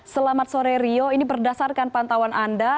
selamat sore rio ini berdasarkan pantauan anda